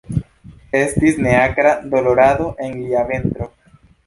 Estis neakra dolorado en lia ventro.